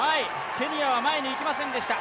ケニアは前にいきませんでした。